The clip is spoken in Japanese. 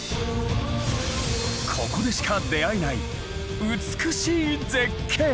ここでしか出会えない美しい絶景。